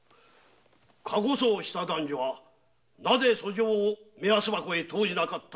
駕籠訴をした男女はなぜ訴状を“目安箱”へ投じなかったのです？